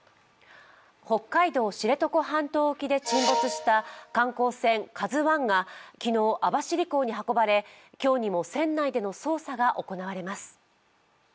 北海道・知床半島沖で沈没した観光船「ＫＡＺＵⅠ」が昨日、網走港に運ばれ今日にも船内での捜査が行われます。